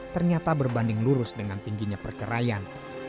ternyata berbanding lurus dengan tingginya perceraian